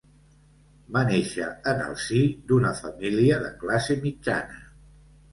Va néixer en el si d'una família de classe mitjana.